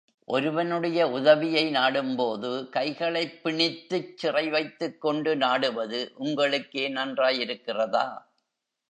ஒருவனுடைய உதவியை நாடும்போது கைகளைப் பிணித்துச் சிறைவைத்துக்கொண்டு நாடுவது உங்களுக்கே நன்றாயிருக்கிறதா?